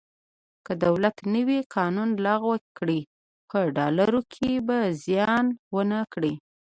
که دولت نوی قانون لغوه کړي په ډالرو کې به زیان ونه کړي.